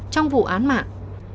trong vụ án mạng